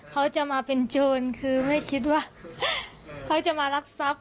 เขาจะมาเป็นโจรคือไม่คิดว่าเขาจะมารักทรัพย์